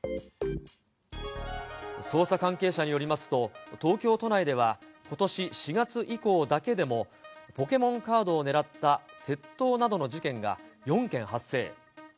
捜査関係者によりますと、東京都内では、ことし４月以降だけでも、ポケモンカードをねらった窃盗などの事件が４件発生。